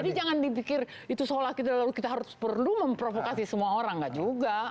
jadi jangan dipikir itu seolah kita harus perlu memprovokasi semua orang nggak juga